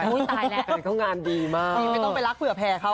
ตายแล้วแฟนเขางานดีมากไม่ต้องไปรักเผื่อแผ่เขา